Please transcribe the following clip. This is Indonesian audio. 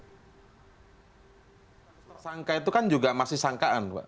status tersangka itu kan juga masih sangkaan pak